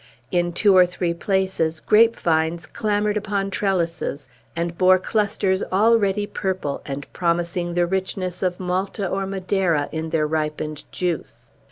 In two or three places grapevines clambered upon trellises, and bore clusters already purple, and promising the richness of Malta or Madeira in their ripened juice.